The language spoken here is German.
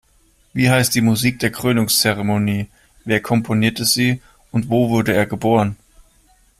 Wie heißt die Musik der Krönungzeremonie, wer komponierte sie und wo wurde er geboren?